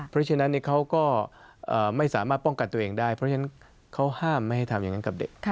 เพราะฉะนั้นเขาก็ไม่สามารถป้องกันตัวเองได้เพราะฉะนั้นเขาห้ามไม่ให้ทำอย่างนั้นกับเด็ก